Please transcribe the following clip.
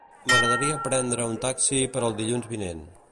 M'agradaria prendre un taxi per al dilluns vinent.